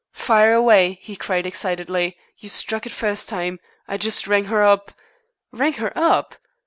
"Fire away!" he cried excitedly. "You struck it first time. I just rang her up " "Rang her up?"